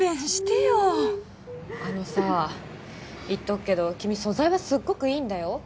あのさ言っとくけど君素材はすっごくいいんだよ。